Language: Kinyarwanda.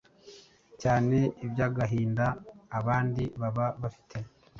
cyane iby’agahinda abandi baba bafite